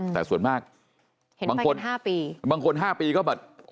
แต่ส่วนมากบางคน๕ปีก็แบบเต็มที่แล้ว